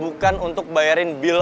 bukan untuk bayarin bil